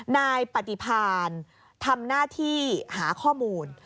นายปฏิพานทำหน้าที่หาข้อมูล